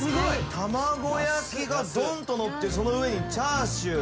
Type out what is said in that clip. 卵焼きがどんとのってその上にチャーシュー。